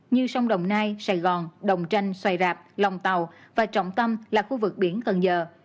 như sông đồng nai sài gòn đồng tranh xoài rạp lòng tàu và trọng tâm là khu vực biển cần giờ